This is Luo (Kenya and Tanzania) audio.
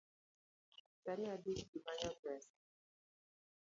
Sani adich gi manyo pesa